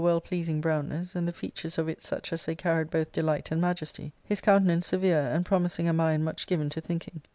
His colour was of a well pleasing brownness, and the features of it such as they carried both delight and majesty ; his countenance severe, and promising a mind much given to thinking.